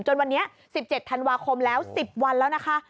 จนวันนี้๑๗ธันวาคมแล้ว๑๐วันแล้วนะคะ